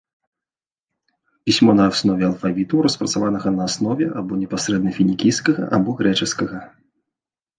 Пісьмо на аснове алфавіту, распрацаванага на аснове або непасрэдна фінікійскага, або грэчаскага.